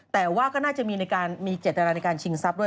แต่ว่าก็น่าจะมีการมีเจตนาในการชิงทรัพย์ด้วย